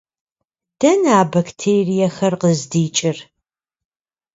Дэнэ а бактериехэр къыздикӏыр?